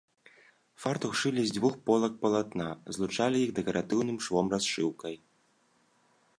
Фартух шылі з дзвюх полак палатна, злучалі іх дэкаратыўным швом-расшыўкай.